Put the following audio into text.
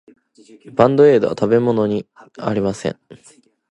バンドエードは食べ物ではありません。